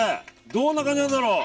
どんな感じなんだろう。